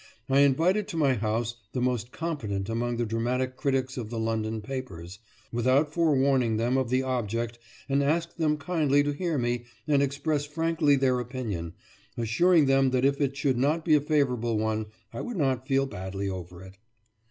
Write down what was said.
I invited to my house the most competent among the dramatic critics of the London papers, without forewarning them of the object and asked them kindly to hear me and express frankly their opinion, assuring them that if it should not be a favourable one, I would not feel badly over it.